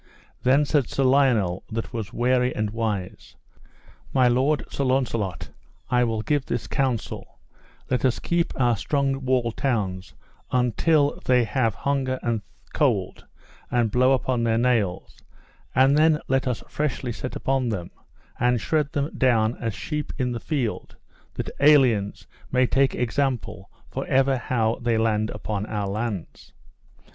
Then said Sir Lionel that was wary and wise: My lord Sir Launcelot, I will give this counsel, let us keep our strong walled towns until they have hunger and cold, and blow on their nails; and then let us freshly set upon them, and shred them down as sheep in a field, that aliens may take example for ever how they land upon our lands.